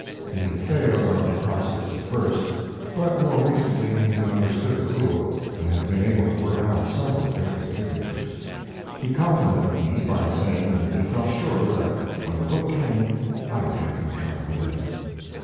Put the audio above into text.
He had failed on the acrostics at first; but more recently he had understood the rule, and had been able to work out several Bacon signatures. He complimented me by saying that he felt sure that when the book came I would have no trouble with it.